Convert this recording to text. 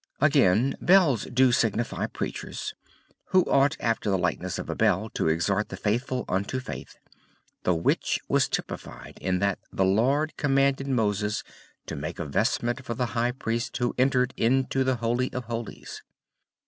"Again bells do signify preachers, who ought after the likeness of a bell to exhort the faithful unto faith: the which was typified in that the LORD commanded Moses to make a vestment for the High Priest who entered into the Holy of Holies.